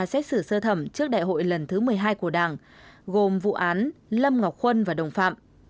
xét xử sơ thẩm trước đại hội lần thứ một mươi hai của đảng gồm vụ án lâm ngọc khuân và đồng phạm